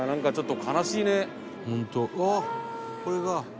これが」